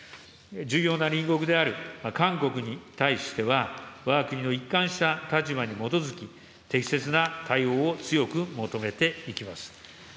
重要な隣国である韓国に対しては、わが国の一貫した立場に基づき、適切な対応を強く求めていきます。